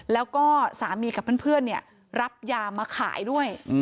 แล้วก็สามีกับเพื่อนรับยามาขายด้วย